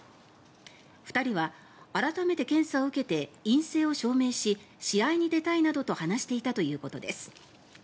２人は改めて検査を受けて陰性を証明し試合に出たいなどと話していたということです。